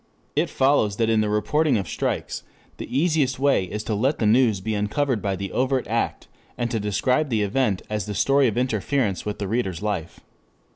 It follows that in the reporting of strikes, the easiest way is to let the news be uncovered by the overt act, and to describe the event as the story of interference with the reader's life.